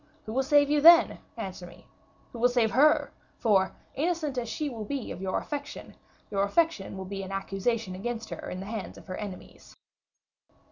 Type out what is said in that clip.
Who will save you then? Answer me. Who will save her? for, innocent as she will be of your affection, your affection will be an accusation against her in the hands of her enemies."